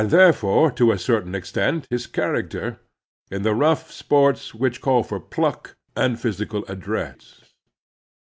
therefore, to a certain extent, his character — in the : rough sports which call for pluck, endurance, and I physical address.